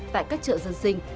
tại các chợ dân sinh